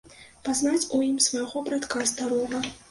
Пазнаць у ім свайго братка старога.